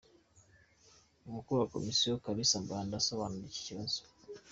Umukuru wa Komisiyo Kalisa Mbanda asobanura iki kibazo.